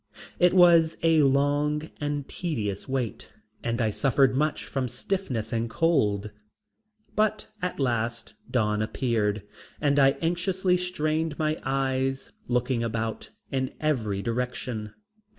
It was a long and tedious wait and I suffered much from stiffness and cold, but at last dawn appeared and I anxiously strained my eyes, looking about in every direction.